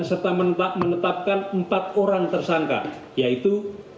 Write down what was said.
serta menetapkan empat orang tersangka yaitu